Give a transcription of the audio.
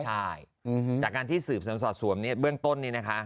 ใช่จากการที่สืบสวนสอดสวมเนี่ยเบื้องต้นนี้นะคะ